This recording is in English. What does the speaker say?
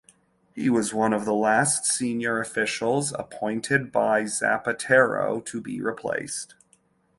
He was one of the last senior officials appointed by Zapatero to be replaced.